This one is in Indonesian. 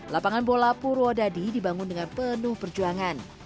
lapangan bola purwodadi dibangun dengan penuh perjuangan